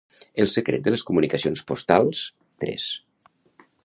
El secret de les comunicacions postals; tres.